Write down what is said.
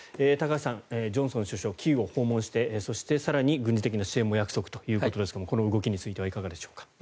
高橋さん、ジョンソン首相キーウを訪問して更には軍事的な支援も約束ということですがこの動きについてはいかがでしょうか。